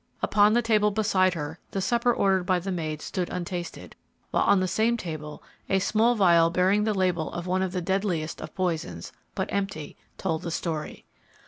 Upon the table beside her, the supper ordered by the maid stood untasted, while on the same table a small vial bearing the label of one of the deadliest of poisons, but empty, told the story.